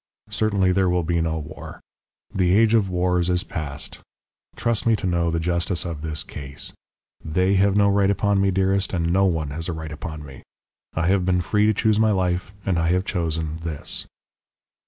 Certainly there will be no war. The age of wars is past. Trust me to know the justice of this case. They have no right upon me, dearest, and no one has a right upon me. I have been free to choose my life, and I have chosen this.'